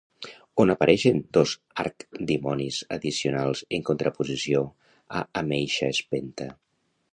On apareixen dos arc-dimonis addicionals en contraposició a Ameixa Spenta?